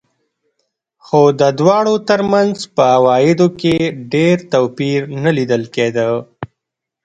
خو د دواړو ترمنځ په عوایدو کې ډېر توپیر نه لیدل کېده.